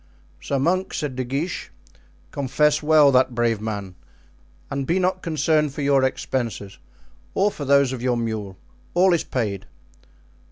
"Sir monk," said De Guiche, "confess well that brave man; and be not concerned for your expenses or for those of your mule; all is paid."